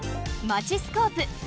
「マチスコープ」。